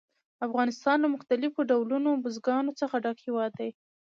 افغانستان له مختلفو ډولونو بزګانو څخه ډک هېواد دی.